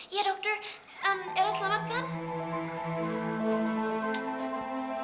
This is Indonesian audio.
iya dokter era selamat kan